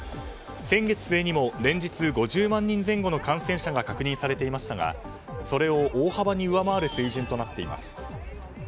先月末にも連日５０万人前後の感染者が確認されていましたがそれを大幅に上回る水準となっています。